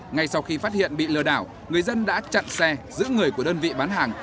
ngay sau khi phát hiện bị lừa đảo người dân đã chặn xe giữ người của đơn vị bán hàng